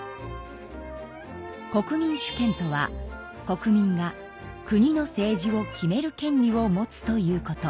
国民主権とは国民が国の政治を決める権利を持つということ。